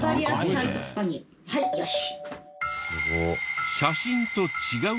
はいよし！